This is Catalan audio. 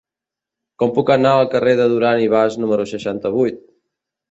Com puc anar al carrer de Duran i Bas número seixanta-vuit?